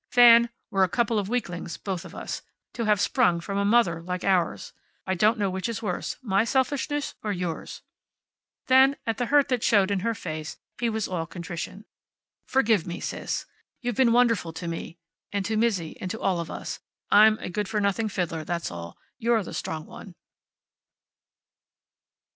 "Fan, we're a couple of weaklings, both of us, to have sprung from a mother like ours. I don't know which is worse; my selfishness, or yours." Then, at the hurt that showed in her face, he was all contrition. "Forgive me, Sis. You've been so wonderful to me, and to Mizzi, and to all of us. I'm a good for nothing fiddler, that's all. You're the strong one."